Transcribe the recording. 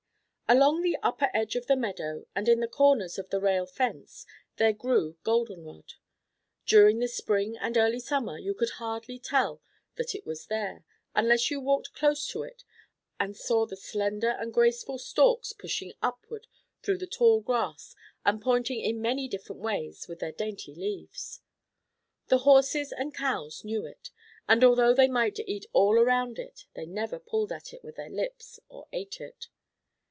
Along the upper edge of the meadow and in the corners of the rail fence there grew golden rod. During the spring and early summer you could hardly tell that it was there, unless you walked close to it and saw the slender and graceful stalks pushing upward through the tall grass and pointing in many different ways with their dainty leaves. The Horses and Cows knew it, and although they might eat all around it they never pulled at it with their lips or ate it.